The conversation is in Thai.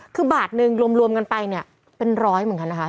คือบาทหนึ่งรวมกันไปเนี่ยเป็นร้อยเหมือนกันนะคะ